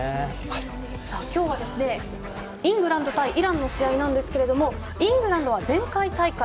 今日はイングランド対イランの試合ですがイングランドは前回大会